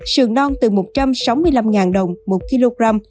sườn non từ một trăm sáu mươi năm đồng một kg